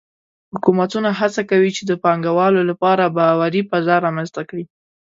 حکومتونه هڅه کوي چې د پانګهوالو لپاره باوري فضا رامنځته کړي.